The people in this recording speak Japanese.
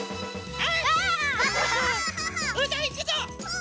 あ！